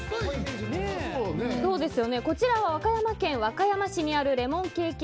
こちらは和歌山県和歌山市にあるレモンケーキ